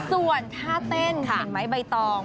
ส่วนท่าเต้นเห็นไหมใบตอง